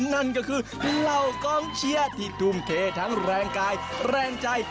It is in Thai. นั่นก็คือเหล่ากองเชียร์ที่ทุ่มเททั้งแรงกายแรงใจ